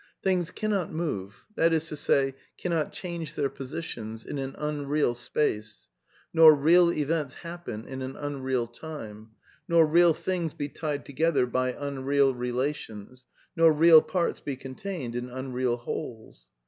Things cannot move, that is to say, cannot change their positions, in an unreal space, nor real events happen in an unreal time, nor real things be tied together by unreal relations, nor real parts be contained in unreal wholes.